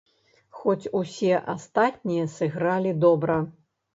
Хоць усе астатнія сыгралі добра.